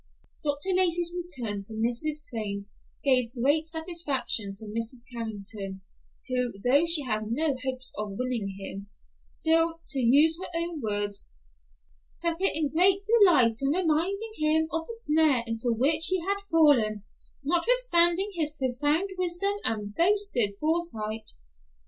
Dr. Lacey's return to Mrs. Crane's gave great satisfaction to Mrs. Carrington, who, though she had no hopes of winning him, still, to use her own words, "took great delight in reminding him of the snare into which he had fallen, notwithstanding his profound wisdom and boasted foresight."